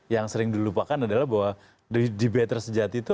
yang sering dilupakan adalah bahwa debater sejati itu